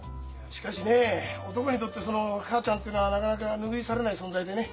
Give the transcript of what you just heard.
しかしね男にとってその母ちゃんってのはなかなか拭いされない存在でね。